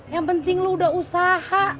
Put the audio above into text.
yang penting lo udah usaha